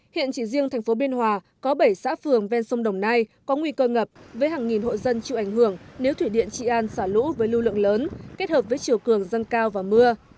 hiện chỉ riêng thành phố biên hòa có bảy xã phường ven sông đồng nai có nguy cơ ngập với hàng nghìn hộ dân chịu ảnh hưởng nếu thủy điện trị an xả lũ với lưu lượng lớn kết hợp với chiều cường dâng cao và mưa